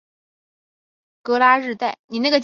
戈拉日代。